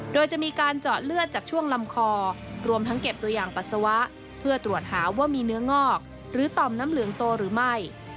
โดยจะมีการเจาะเลือดจากช่วงลำคอรวมทั้งเก็บตัวอย่างปัสสาวะเพื่อตรวจหาว่ามีเนื้องอกหรือต่อมน้ำเหลืองโตหรือไม่